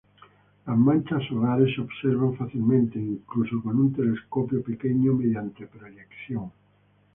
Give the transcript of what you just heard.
Las manchas solares se observan fácilmente incluso con un telescopio pequeño mediante proyección.